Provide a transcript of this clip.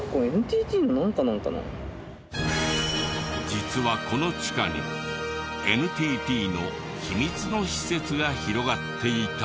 実はこの地下にＮＴＴの秘密の施設が広がっていた！